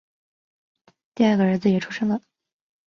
第二个儿子也出生了